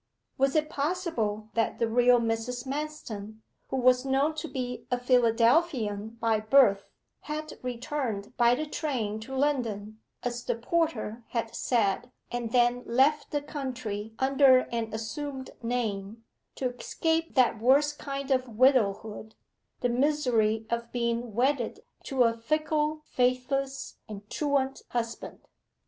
Was it possible that the real Mrs. Manston, who was known to be a Philadelphian by birth, had returned by the train to London, as the porter had said, and then left the country under an assumed name, to escape that worst kind of widowhood the misery of being wedded to a fickle, faithless, and truant husband?